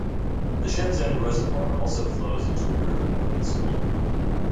The Shenzhen Reservoir also flows into the river when it is full.